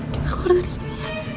kita keluar dari sini